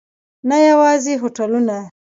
نه یوازې هوټلونه.